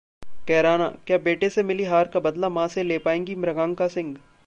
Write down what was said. कैरानाः क्या बेटे से मिली हार का बदला मां से ले पाएंगी मृगांका सिंह?